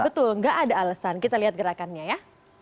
betul nggak ada alasan kita lihat gerakannya ya